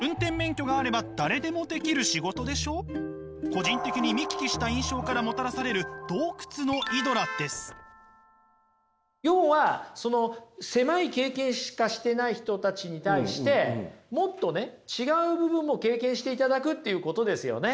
個人的に見聞きした印象からもたらされる要はその狭い経験しかしてない人たちに対してもっとね違う部分も経験していただくっていうことですよね。